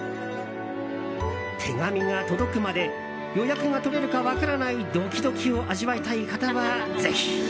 手紙が届くまで予約が取れるか分からないドキドキを味わいたい方はぜひ。